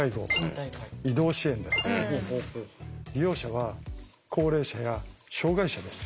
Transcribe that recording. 利用者は高齢者や障害者です。